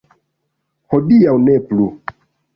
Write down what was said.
Hodiaŭ ne plu.